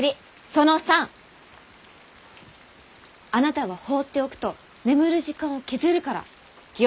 その３！あなたは放っておくと眠る時間を削るから気を付けるようにって。